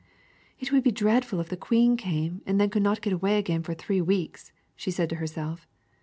"It would be dreadful if the Queen came and then could not get away again for three weeks!" she said to herself.